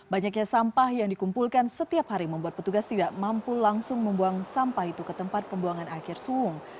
banyaknya sampah yang dikumpulkan setiap hari membuat petugas tidak mampu langsung membuang sampah itu ke tempat pembuangan akhir suung